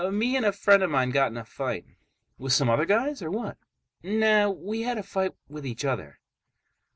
"Me and a friend of mine got in a fight." "With some other guys or what?" "Nah. We had a fight with each other."